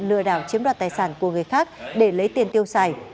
lừa đảo chiếm đoạt tài sản của người khác để lấy tiền tiêu xài